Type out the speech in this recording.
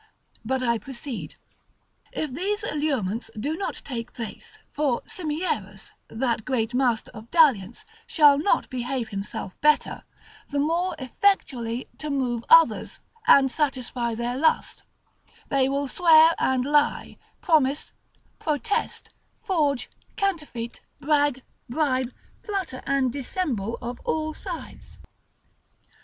But I proceed. If these allurements do not take place, for Simierus, that great master of dalliance, shall not behave himself better, the more effectually to move others, and satisfy their lust, they will swear and lie, promise, protest, forge, counterfeit, brag, bribe, flatter and dissemble of all sides.